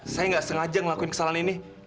saya nggak sengaja ngelakuin kesalahan ini